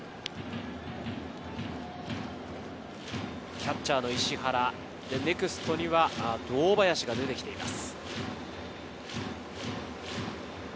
キャッチャーの石原、ネクストには、堂林が出てきています。